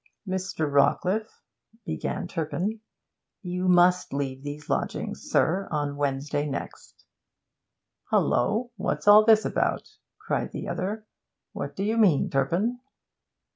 'Mr. Rawcliffe,' began Turpin, 'you must leave these lodgings, sir, on Wednesday next.' 'Hullo! what's all this about?' cried the other. 'What do you mean, Turpin?'